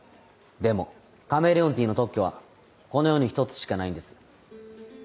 でもカメレオンティーの特許はこの世に一つしかないんです。